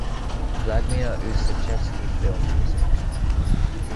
"Vladimir Ussachevsky: Film Music".